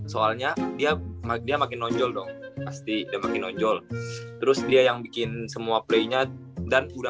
soalnya dia makin nonjol dong pasti dia makin nonjol terus dia yang bikin semua play nya dan udah